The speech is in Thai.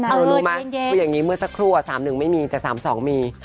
รู้ไหมคืออย่างนี้เมื่อสักครู่๓๑ไม่มีแต่๓๒มี